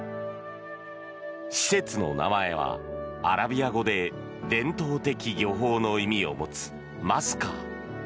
施設の名前はアラビア語で伝統的漁法の意味を持つマスカー。